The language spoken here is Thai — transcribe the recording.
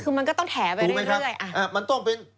คือมันก็ต้องแถไปเรื่อย